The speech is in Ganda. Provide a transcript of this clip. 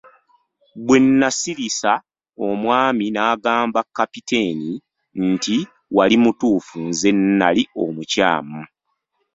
Bwe nasirisa omwami n'agamba Kapitaani nti " Wali mutuufu, nze nali omukyamu.